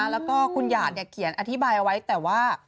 แล้วก็คุณหยาดเขียนอธิบายเอาไว้แต่ว่า